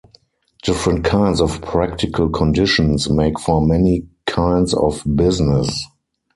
Different kinds of practical conditions make for many kinds of business.